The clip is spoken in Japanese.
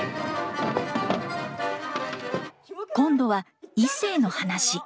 今度は異性の話。